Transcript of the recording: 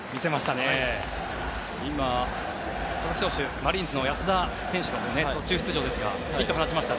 マリーンズの安田選手が途中出場ですがヒットを放ちました。